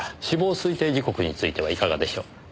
死亡推定時刻についてはいかがでしょう？